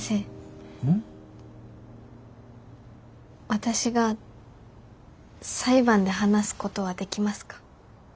私が裁判で話すことはできますか？